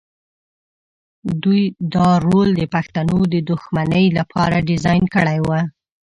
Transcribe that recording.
دوی دا رول د پښتنو د دښمنۍ لپاره ډیزاین کړی و.